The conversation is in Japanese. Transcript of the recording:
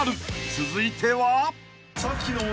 続いては］